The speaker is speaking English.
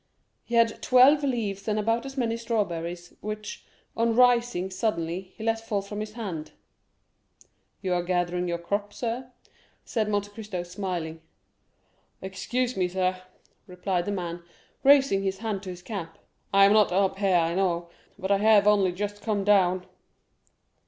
He had twelve leaves and about as many strawberries, which, on rising suddenly, he let fall from his hand. "You are gathering your crop, sir?" said Monte Cristo, smiling. 30193m "Excuse me, sir," replied the man, raising his hand to his cap; "I am not up there, I know, but I have only just come down."